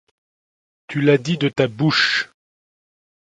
tu l'as dit de ta bouche